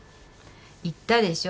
言ったでしょ。